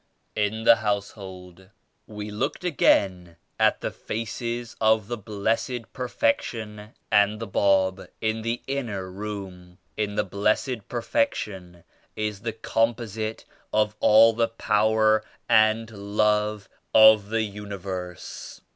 70 IN THE HOUSEHOLD. We looked again at the faces of the Blessed Perfection and the Bab in the inner room. In the Blessed Perfection is the composite of all the Power and Love of the universe.